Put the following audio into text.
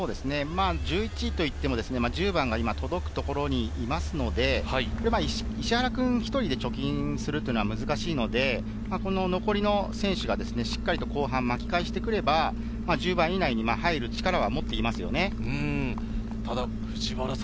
１１位といっても１０番が届くところにいますので、石原君ひとりで貯金するというのは難しいので、残りの選手がしっかりと後半に巻き返してくれば、１０番以内に入る力は持っていますよね。